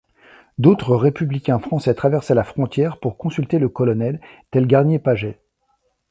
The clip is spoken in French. D'autres républicains français traversaient la frontière pour consulter le colonel, tel Garnier-Pagès.